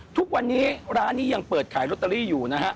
ทุกวันนี้ร้านนี้ยังเปิดขายลอตเตอรี่อยู่นะฮะ